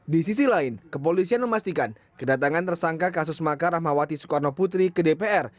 di sisi lain kepolisian memastikan kedatangan tersangka kasus makar rahmawati soekarno putri ke dpr